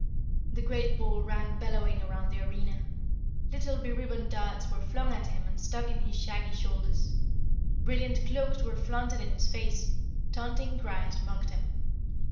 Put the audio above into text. The great bull ran bellowing around the arena; little beribboned darts were flung at him and stuck in his shaggy shoulders; brilliant cloaks were flaunted in his face; taunting cries mocked him.